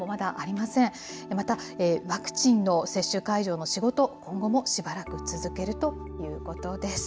またワクチンの接種会場の仕事、今後もしばらく続けるということです。